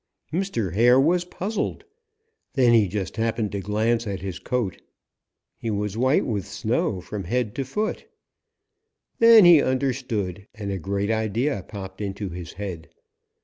"Mr. Hare was puzzled. Then he just happened to glance at his coat. He was white with snow from head to foot! Then he understood, and a great idea popped into his head.